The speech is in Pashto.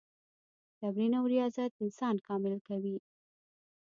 تمرین او ریاضت انسان کامل کوي.